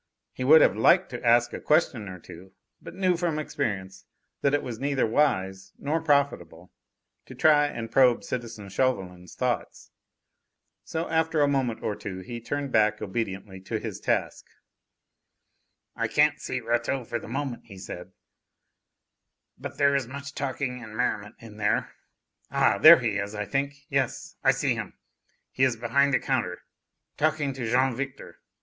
He would have liked to ask a question or two, but knew from experience that it was neither wise nor profitable to try and probe citizen Chauvelin's thoughts. So after a moment or two he turned back obediently to his task. "I can't see Rateau for the moment," he said, "but there is much talking and merriment in there. Ah! there he is, I think. Yes, I see him!... He is behind the counter, talking to Jean Victor